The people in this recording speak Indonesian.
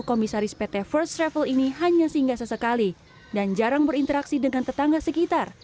komisaris pt first travel ini hanya singgah sesekali dan jarang berinteraksi dengan tetangga sekitar